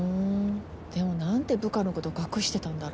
でも何で部下のこと隠してたんだろ。